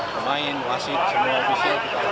pemain wasit semua ofisial kita laksanakan